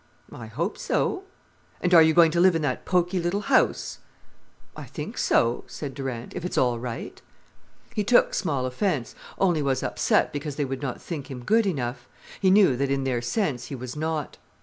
"I hope so." "And are you going to live in that poky little house?" "I think so," said Durant, "if it's all right." He took small offence, only was upset, because they would not think him good enough. He knew that, in their sense, he was not.